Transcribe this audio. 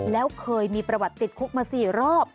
แล้วเคยมีประวัติติดคุกมา๔รอบ